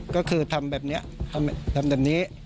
ก็คือทำแบบนี้